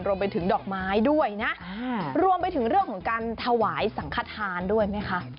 รวมไปถึงดอกไม้ด้วยนะรวมไปถึงเรื่องของการถวายสังขทานด้วยไหมคะ